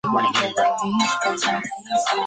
有栖川宫第六代当主。